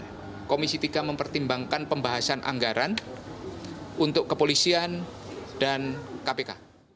saya meminta komisi tiga dpr mempertimbangkan pembahasan anggaran untuk kepolisian dan kpk